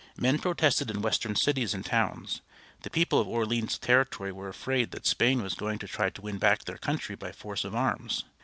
Men protested in Western cities and towns. The people of Orleans Territory were afraid that Spain was going to try to win back their country by force of arms.